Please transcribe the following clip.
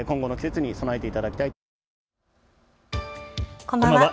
こんばんは。